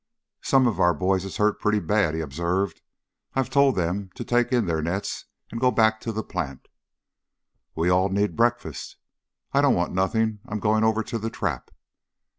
"Some of our boys is hurt pretty bad," he observed. "I've told them to take in their nets and go back to the plant." "We all need breakfast." "I don't want nothing. I'm going over to the trap."